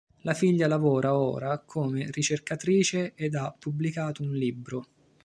La figlia lavora ora come ricercatrice ed ha pubblicato un libro.